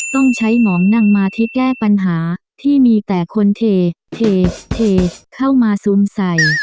ต้องใช้หมองนั่งมาที่แก้ปัญหาที่มีแต่คนเทเข้ามาซูมใส่